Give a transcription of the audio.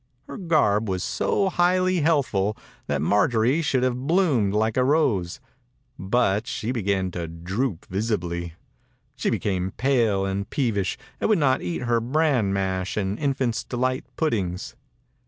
Her garb was so highly healthful that Marjorie should have bloomed like a rose, but she began to droop visibly. She became pale and peevish and would not eat her bran mash and Infant's Delight puddings.